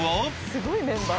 すごいメンバー。